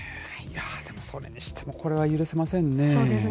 でも、それにしても、これは許せませんね。